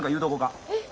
えっ？